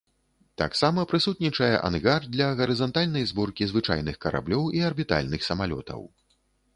Таксама прысутнічае ангар для гарызантальнай зборкі звычайных караблёў і арбітальных самалётаў.